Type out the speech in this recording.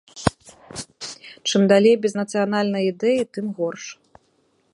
Чым далей без нацыянальнай ідэі, тым горш.